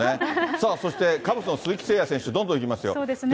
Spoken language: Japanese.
そしてカブスの鈴木誠也選手、どんどんいきますよ。